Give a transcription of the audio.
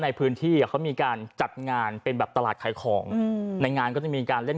ในพื้นที่อ่ะเขามีการจัดงานเป็นแบบตลาดขายของในงานก็จะมีการเล่น